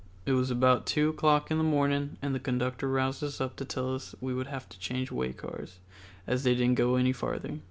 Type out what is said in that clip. It was about two o'clock in the morning and the conductor roused us up to tell us we would have to change way cars, as they didn't go any farther.